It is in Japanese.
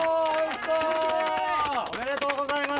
おめでとうございます！